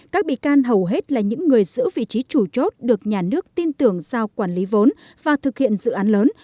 các bị can hầu hết là những người giữ vị trí chủ chốt được nhà nước tin tưởng giao quản lý vốn và thực hiện dự án lớn